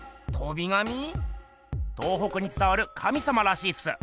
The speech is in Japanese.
東北につたわる神様らしいっす。